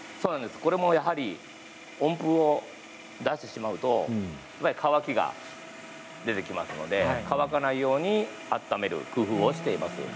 これもやはり温風を出してしまうと乾きが出てきますので、乾かないように温める工夫をしています。